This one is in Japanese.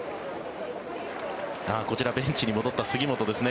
こちら、ベンチに戻った杉本ですね。